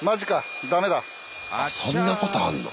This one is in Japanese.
あっそんなことあんの？